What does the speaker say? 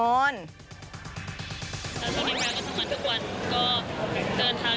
ช่วงนี้เมริกาก็ทั้งวันทุกวัน